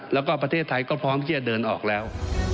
แล้วก็ประเทศไทยก็พร้อมที่จะเดินออกแล้ว